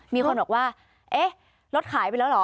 มีคนบอกว่าเอ๊ะรถขายไปแล้วเหรอ